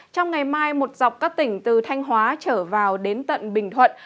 trong ngày mai một dọc các tỉnh từ thanh hóa trở vào đến tận bình thuận